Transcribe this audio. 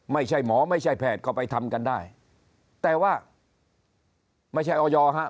ไม่ใช่หมอไม่ใช่แพทย์ก็ไปทำกันได้แต่ว่าไม่ใช่ออยฮะ